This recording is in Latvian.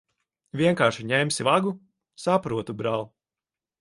Vienkārši ņemsi vagu? Saprotu, brāl'.